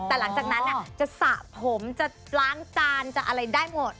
แต่หลังจากนั้นจะสระผมจะล้างจานจะอะไรได้หมด